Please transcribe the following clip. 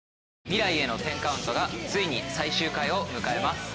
『未来への１０カウント』がついに最終回を迎えます。